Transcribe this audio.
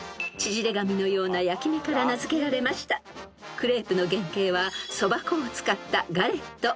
［クレープの原形はそば粉を使ったガレット］